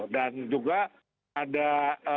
dan juga ada manfaatnya